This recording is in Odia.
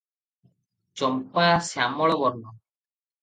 ଚମ୍ପା ଶ୍ୟାମଳ ବର୍ଣ୍ଣ ।